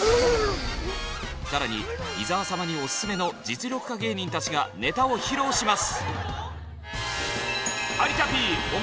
更に伊沢様にオススメの実力派芸人たちがネタを披露します。